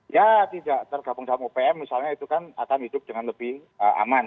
ya tidak tergabung dalam opm misalnya itu kan akan hidup dengan lebih aman